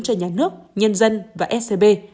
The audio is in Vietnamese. cho nhà nước nhân dân và scb